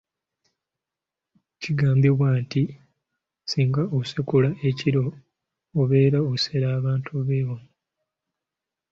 Kigambibwa nti singa osekula ekiro, obeera osera bantu b'ewammwe.